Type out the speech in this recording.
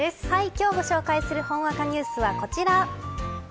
今日ご紹介するほんわかニュースはこちら。